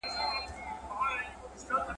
ادم خان دي په خيال گوروان درځي.